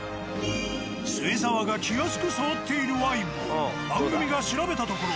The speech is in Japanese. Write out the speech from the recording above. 末澤が気安く触っているワインも番組が調べたところ。